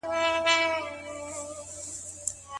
ايا تاسي د نکاح هدفونه يادداشت کړي دي؟